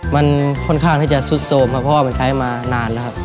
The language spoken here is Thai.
มันค่อนข้างที่จะซุดโสมครับเพราะว่ามันใช้มานานแล้วครับ